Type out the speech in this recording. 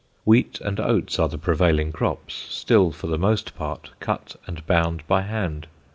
Wheat and oats are the prevailing crops, still for the most part cut and bound by hand.